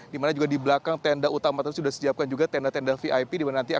dimana juga di belakang tenda utama tadi sudah disiapkan juga tenda tenda vip